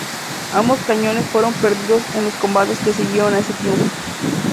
Ambos cañones fueron perdidos en los combates que siguieron a ese triunfo.